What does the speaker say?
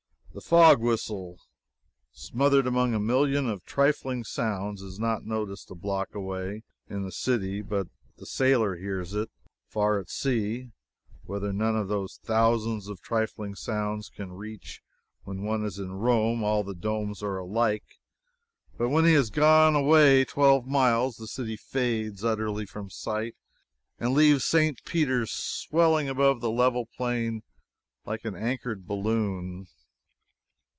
The fog whistle, smothered among a million of trifling sounds, is not noticed a block away, in the city, but the sailor hears it far at sea, whither none of those thousands of trifling sounds can reach. When one is in Rome, all the domes are alike; but when he has gone away twelve miles, the city fades utterly from sight and leaves St. Peter's swelling above the level plain like an anchored balloon.